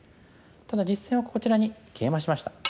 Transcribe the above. ただ実戦はこちらにケイマしました。